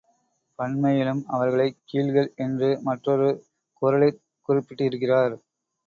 பன்மையிலும் அவர்களைக் கீழ்கள் என்று மற்றொரு குறளிற் குறிப்பிட்டிருக்கிறார்.